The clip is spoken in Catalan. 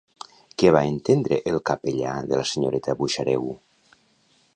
Què va entendre el capellà de la senyoreta Buxareu?